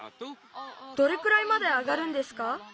どれくらいまで上がるんですか？